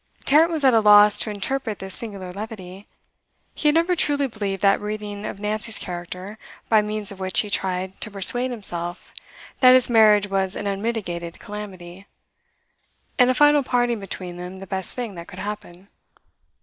Tarrant was at a loss to interpret this singular levity. He had never truly believed that reading of Nancy's character by means of which he tried to persuade himself that his marriage was an unmitigated calamity, and a final parting between them the best thing that could happen.